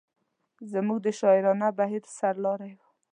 زموږ د شاعرانه بهیر سر لاری و.